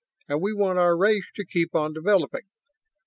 And we want our race to keep on developing.